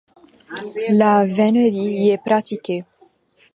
La vènerie y est pratiquée.